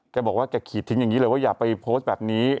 แกบอกว่าแกขีดทิ้งอย่างนี้เลยว่าอย่าไปโพสต์แบบนี้